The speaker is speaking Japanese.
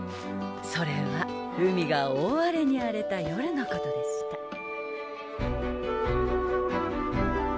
それは海が大荒れに荒れた夜のことでした。